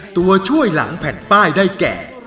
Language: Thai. ตัวช่วยหลังแผ่นป้ายได้แก่